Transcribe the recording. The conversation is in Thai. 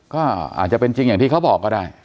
ก็อาจจะเป็นจริงอย่างที่เขาบอกก็ได้